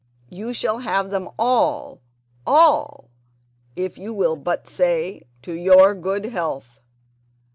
You shall have them all—all—if you will but say: 'To your good health!